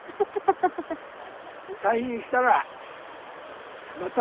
退院したらまた。